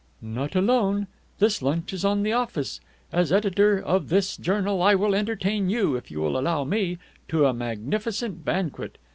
"Not alone. This lunch is on the office. As editor of this journal I will entertain you, if you will allow me, to a magnificent banquet.